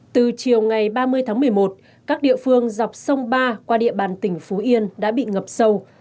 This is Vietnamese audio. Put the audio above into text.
từ chiều ngày ba mươi tháng một mươi một các địa phương dọc sông ba qua địa bàn tỉnh phú yên đã bị ngập sâu